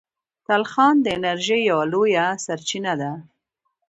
تلخان د انرژۍ یوه لویه سرچینه ده.